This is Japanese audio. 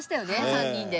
３人で。